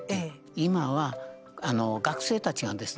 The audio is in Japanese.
今は学生たちがですね